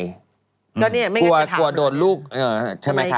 ก็นี่ไม่งั้นจะถามเหรอกลัวโดนลูกใช่ไหมคะ